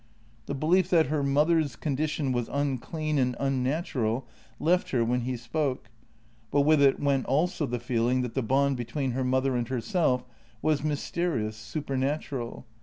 The belief that her mother's JENNY 94 condition was unclean and unnatural left her when he spoke, but with it went also the feeling that the bond between her mother and herself was mysterious, supernatural.